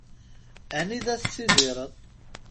Anida tettidireḍ?